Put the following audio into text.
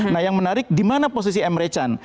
nah yang menarik di mana posisi emre can